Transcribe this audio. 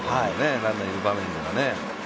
ランナーいる場面では。